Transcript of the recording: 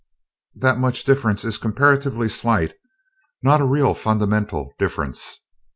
"That much difference is comparatively slight, not a real fundamental difference.